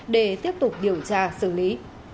để tiếp tục điều tra xử lý